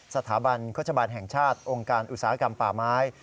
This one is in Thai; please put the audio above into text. สถาบันโฆษบาลแห่งชาติองค์การอุตสาหกรรมป่าไม้